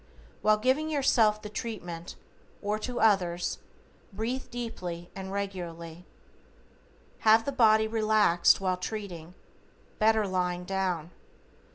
While giving yourself the treatment, or to others, breathe deeply and regularly. Have the body relaxed while treating, better lying down.